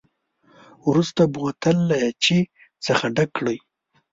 وروسته بوتل له چای څخه ډک کړئ.